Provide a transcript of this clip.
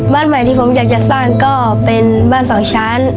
บ้านใหม่ที่ผมอยากจะสร้างก็เป็นบ้านสองชั้น